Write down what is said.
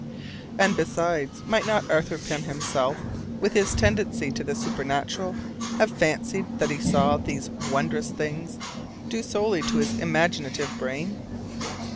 And, besides, might not Arthur Pym himself, with his tendency to the supernatural, have fancied that he saw these wondrous things, due solely to his imaginative brain?